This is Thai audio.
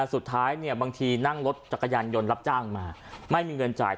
สุดท้ายเนี่ยบางทีนั่งรถจักรยานยนต์รับจ้างมาไม่มีเงินจ่าย